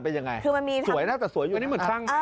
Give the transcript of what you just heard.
เป็นอย่างไรสวยนะแต่สวยอยู่นะ